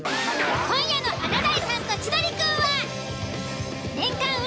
今夜の「華大さんと千鳥くん」は。